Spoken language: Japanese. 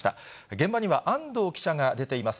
現場には安藤記者が出ています。